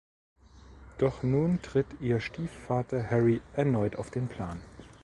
Doch nun tritt ihr Stiefvater Harry erneut auf den Plan.